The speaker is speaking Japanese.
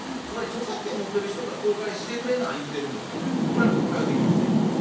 つまり著作権持ってる人が公開してくれな言うてるんですからこれは公開はできませんよ。